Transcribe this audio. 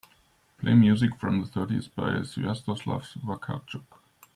Play music from the thirties by Swjatoslaw Wakartschuk.